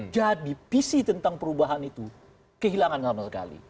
jadi visi tentang perubahan itu kehilangan lama sekali